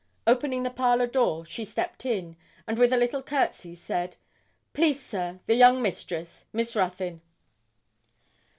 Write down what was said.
Opening the parlour door, she stepped in, and with a little courtesy said, 'Please, sir, the young mistress Miss Ruthyn.'